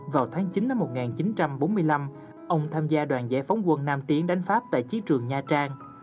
sinh năm một nghìn chín trăm bốn mươi năm ông tham gia đoàn giải phóng quân nam tiến đánh pháp tại chiến trường nha trang